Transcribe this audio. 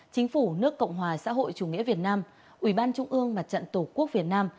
chính phủ nước cộng hòa xã hội chủ nghĩa việt nam ủy ban trung ương mặt trận tổ quốc việt nam